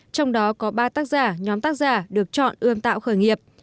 trong đó có ba tác giả nhóm tác giả được chọn ươm tạo khởi nghiệp